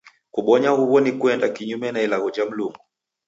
Kubonya huw'o ni kuenda kinyume cha ilagho ja Mlungu.